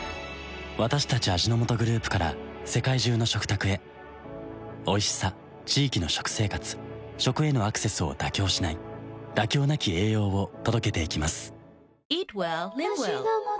私たち味の素グループから世界中の食卓へおいしさ地域の食生活食へのアクセスを妥協しない「妥協なき栄養」を届けていきます・